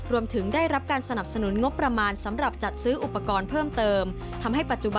รวมถึงได้รับการสนับสนุนงบประมาณสำหรับจัดซื้ออุปกรณ์เพิ่มเติม